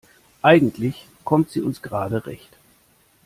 Eigentlich kommt sie uns gerade recht.